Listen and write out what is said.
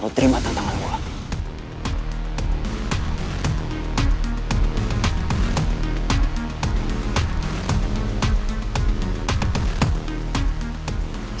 lo terima tantangan gue